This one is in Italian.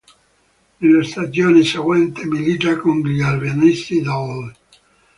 Nella stagione seguente milita con gli albanesi dell'.